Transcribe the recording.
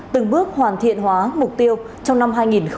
từng bước hoàn thiện hóa mục tiêu trong năm hai nghìn hai mươi